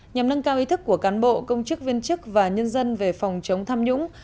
nhằm nâng cao ý thức của cán bộ công chức viên chức và nhân dân về phòng chống tham nhũng